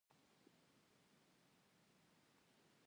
خو سیاست خنډونه جوړوي.